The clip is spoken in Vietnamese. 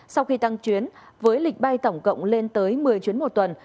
sau khi tăng chuyến với lịch bay tổng cộng lên tới một mươi chuyến một tuần